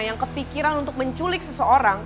yang kepikiran untuk menculik seseorang